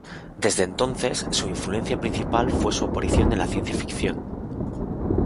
Desde entonces, su influencia principal fue su aparición en la ciencia ficción.